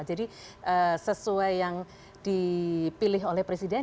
jadi sesuai yang dipilih oleh presiden